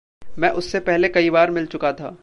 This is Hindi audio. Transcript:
मैं उससे पहले कई बार मिल चुका था।